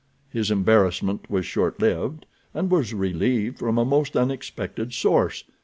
His embarrassment was short lived, and was relieved from a most unexpected source.